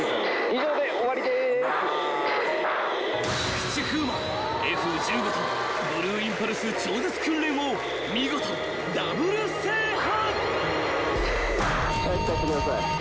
［菊池風磨Ｆ−１５とブルーインパルス超絶訓練を見事ダブル制覇］